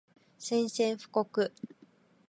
宣戦布告